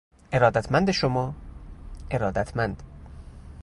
ارادتمند شما، ارادتمند